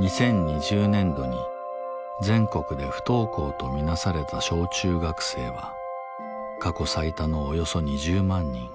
２０２０年度に全国で不登校と見なされた小中学生は過去最多のおよそ２０万人。